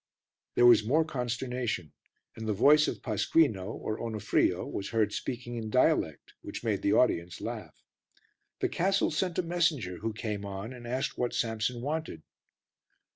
There was more consternation and the voice of Pasquino or Onofrio was heard speaking in dialect which made the audience laugh. The castle sent a messenger who came on and asked what Samson wanted.